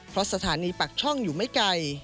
เพราะสถานีปากช่องอยู่ไม่ไกล